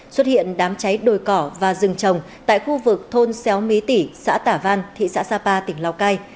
xuất hiện đám cháy đồi cỏ và rừng trồng tại khu vực thôn xéo mý tỉ xã tả văn thị xã sapa tỉnh lào cai